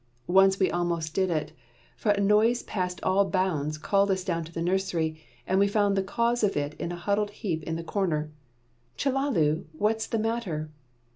Once we almost did it. For a noise past all bounds called us down to the nursery, and we found the cause of it in a huddled heap in the corner. "Chellalu! what is the matter?"